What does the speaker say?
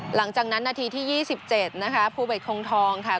หลังจากนั้นนาทีที่ยี่สิบเจ็ดนะคะภูเบชทรงทองค่ะ